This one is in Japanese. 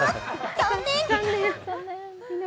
残念！